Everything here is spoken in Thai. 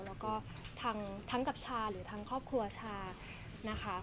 แล้วก็ทั้งกับชาหรือทั้งครอบครัวชานะคะ